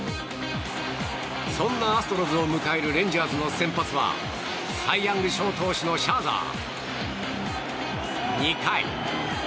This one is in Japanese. そんなアストロズを迎えるレンジャーズの先発はサイ・ヤング賞投手のシャーザー。